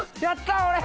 やった！